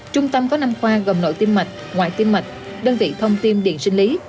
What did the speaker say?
trung tâm có năm khoa gồm nội tiêm mạch ngoại tiêm mạch đơn vị thông tiêm điện sinh lý